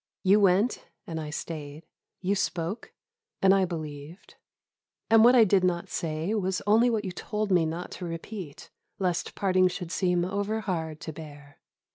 You went and I stayed; you spoke and I believed; and what I did not say was only what you told me not to repeat, lest parting should seem over hard to bear.